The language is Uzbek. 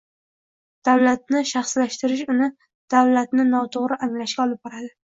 Davlatni shaxslashtirish uni – davlatni noto‘g‘ri anglashga olib boradi